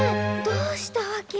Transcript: どうしたわけ？